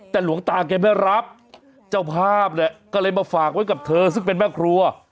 แต่หลวงตาแกไม่รับเจ้าภาพเนี่ยก็เลยมาฝากไว้กับเธอซึ่งเป็นแม่ครัว